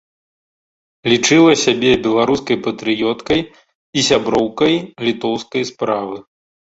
Лічыла сябе беларускай патрыёткай і сяброўкай літоўскай справы.